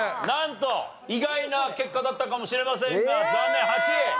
なんと意外な結果だったかもしれませんが残念８位！